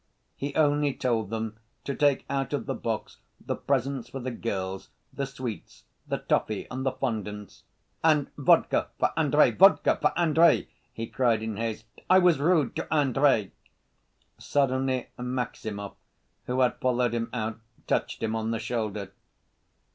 He only told them to take out of the box the presents for the girls, the sweets, the toffee and the fondants. "And vodka for Andrey, vodka for Andrey!" he cried in haste. "I was rude to Andrey!" Suddenly Maximov, who had followed him out, touched him on the shoulder.